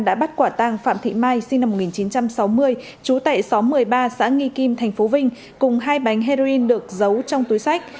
đã bắt quả tang phạm thị mai sinh năm một nghìn chín trăm sáu mươi trú tại xóm một mươi ba xã nghi kim tp vinh cùng hai bánh heroin được giấu trong túi sách